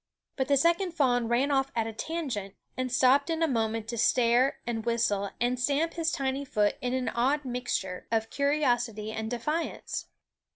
But the second fawn ran off at a tangent, and stopped in a moment to stare and whistle and stamp his tiny foot in an odd mixture of curiosity and defiance.